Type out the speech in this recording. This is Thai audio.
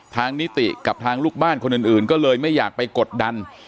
นิติกับทางลูกบ้านคนอื่นก็เลยไม่อยากไปกดดัน